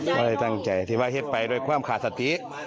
ทำให้เกิดขึ้นแถวปล่อยโความขาดสติ